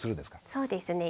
そうですね。